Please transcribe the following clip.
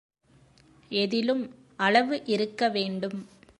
எதிலும் அளவு இருக்கவேண்டும்.